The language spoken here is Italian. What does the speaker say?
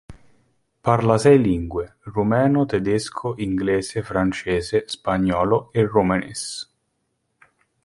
Parla sei ligue: rumeno, tedesco, inglese, francese, spagnolo e romanes.